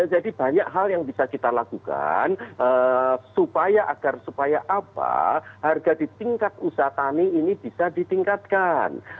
jadi banyak hal yang bisa kita lakukan supaya agar supaya apa harga di tingkat usaha tani ini bisa ditingkatkan